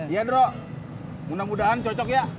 iya drok mudah mudahan cocok ya